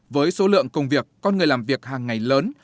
với số lượng công việc con người làm việc hàng ngày lớn